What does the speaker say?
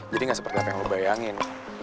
jadi gak seperti apa yang lo bayangin